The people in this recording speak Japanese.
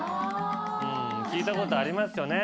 聞いたことありますよね。